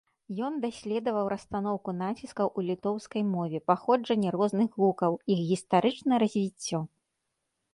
Ён даследаваў расстаноўку націскаў у літоўскай мове, паходжанне розных гукаў, іх гістарычнае развіццё.